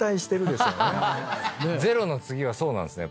ゼロの次はそうなんすね。